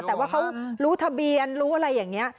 แต่ว่าเขารู้ทะเบียนรู้อะไรอย่างนี้